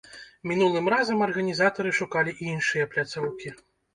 Мінулым разам арганізатары шукалі іншыя пляцоўкі.